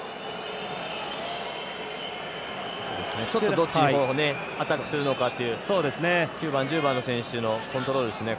どっちをアタックするのかっていう９番、１０番の選手のコントロールですね。